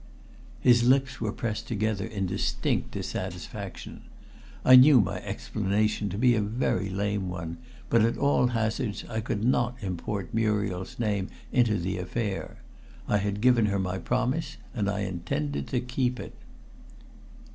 His lips were pressed together in distinct dissatisfaction. I knew my explanation to be a very lame one, but at all hazards I could not import Muriel's name into the affair. I had given her my promise, and I intended to keep it.